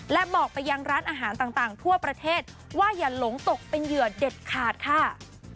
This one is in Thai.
และบอกไปยังร้านอาหารต่างทั่วประเทศว่าอย่าหลงตกเป็นเหยื่อเด็ดขาดค่ะ